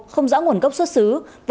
không rã nguồn gốc xuất xứ